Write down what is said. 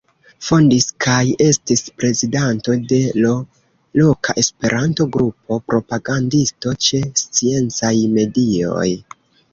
Fondis kaj estis prezidanto de l' loka Esperanto-grupo; propagandisto ĉe sciencaj medioj.